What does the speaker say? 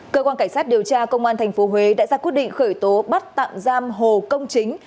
cơ quan cảnh sát điều tra công an tp huế đã ra quyết định khởi tố bắt tạm giam hồ công chính